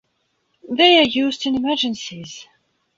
They are used in emergencies.